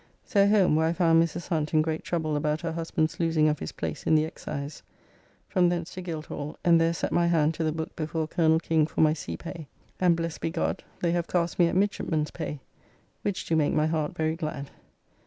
So home, where I found Mrs. Hunt in great trouble about her husband's losing of his place in the Excise. From thence to Guildhall, and there set my hand to the book before Colonel King for my sea pay, and blessed be God! they have cast me at midshipman's pay, which do make my heart very glad.